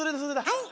はい！